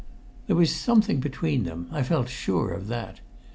There was something between them. I felt sure of that.